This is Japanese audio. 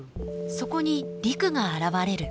そこに陸が現れる。